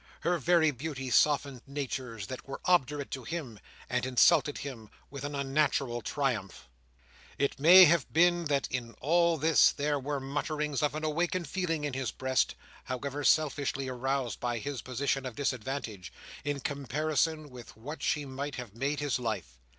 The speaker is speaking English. Her very beauty softened natures that were obdurate to him, and insulted him with an unnatural triumph. It may have been that in all this there were mutterings of an awakened feeling in his breast, however selfishly aroused by his position of disadvantage, in comparison with what she might have made his life.